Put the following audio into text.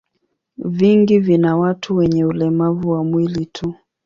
Vingi vina watu wenye ulemavu wa mwili tu.